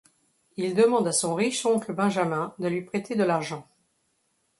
Il demande à son riche oncle Benjamin de lui prêter de l'argent.